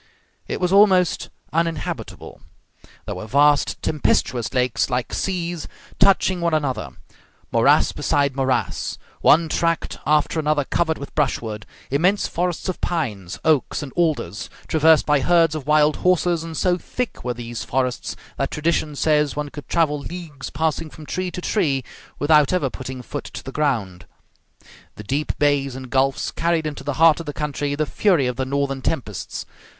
It was almost uninhabitable. There were vast tempestuous lakes, like seas, touching one another; morass beside morass; one tract after another covered with brushwood; immense forests of pines, oaks, and alders, traversed by herds of wild horses, and so thick were these forests that tradition says one could travel leagues passing from tree to tree without ever putting foot to the ground. The deep bays and gulfs carried into the heart of the country the fury of the northern tempests.